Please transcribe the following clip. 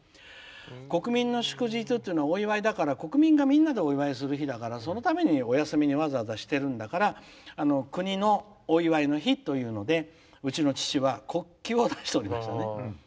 国民の祝日っていうのは国民がみんなでお祝いする日だからそのために、お休みにわざわざしてるんだから国のお祝いの日というのでうちの父は国旗を出しておりました。